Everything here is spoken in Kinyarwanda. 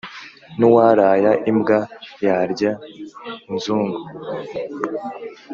Nuwaraya imbwa yarya inzungu.